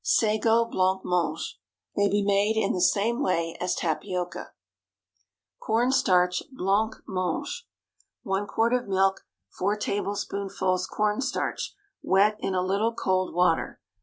SAGO BLANC MANGE. May be made in the same way as tapioca. CORN STARCH BLANC MANGE. ✠ 1 quart of milk. 4 tablespoonfuls corn starch, wet in a little cold water.